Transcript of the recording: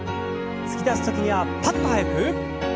突き出す時にはパッと速く。